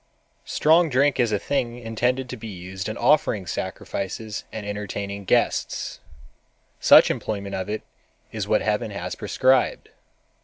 _ "Strong drink is a thing intended to be used in offering sacrifices and entertaining guests,—such employment of it is what Heaven has prescribed.